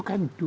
itu kan dulu